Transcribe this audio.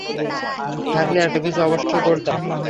থাকলে একটা কিছু অবশ্যই করতাম।